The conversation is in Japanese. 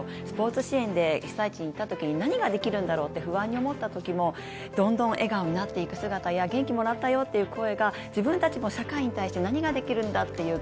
スポーツ支援で被災地に行ったときに何ができるんだろうって不安に思ったときもどんどん笑顔になっていく姿や元気をもらったよという声が自分たちも社会に対して何ができるんだって